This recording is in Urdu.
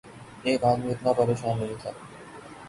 ایک آدمی اتنا پریشان نہیں تھا۔